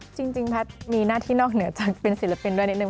จริงแพทย์มีหน้าที่นอกเหนือจากเป็นศิลปินด้วยนิดนึ